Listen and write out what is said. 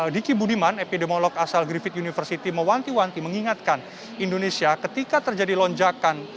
diki budiman epidemiolog asal griffith university mewanti wanti mengingatkan indonesia ketika terjadi lonjakan